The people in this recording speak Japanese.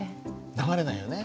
流れないよね。